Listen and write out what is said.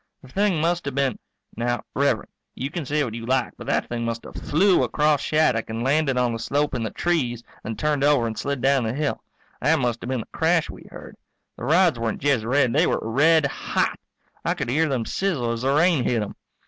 The thing must have been now, Rev'rend, you can say what you like but that thing must have flew across Shattuck and landed on the slope in the trees, then turned over and slid down the hill. That must have been the crash we heard. The rods weren't just red, they were red hot. I could hear them sizzle as the rain hit 'em.